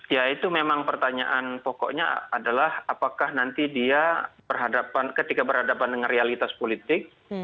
ya itu memang pertanyaan pokoknya adalah apakah nanti dia ketika berhadapan dengan realitas politik